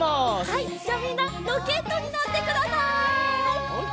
はいじゃあみんなロケットになってください！